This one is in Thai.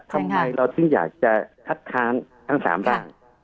ทำไมเราที่อยากจะขัดทางทั้ง๓ร่าง